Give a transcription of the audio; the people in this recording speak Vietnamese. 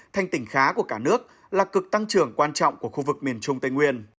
thành tỉnh khá của cả nước là cực tăng trưởng quan trọng của khu vực miền trung tây nguyên